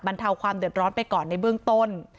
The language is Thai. เทาความเดือดร้อนไปก่อนในเบื้องต้น